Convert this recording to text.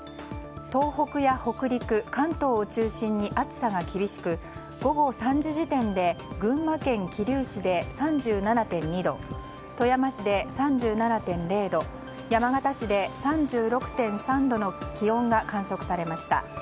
東北や北陸、関東を中心に暑さが厳しく午後３時時点で群馬県桐生市で３７．２度富山市で３７．０度山形市で３６．３度の気温が観測されました。